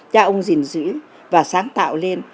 cha ông gìn giữ và sáng tạo lên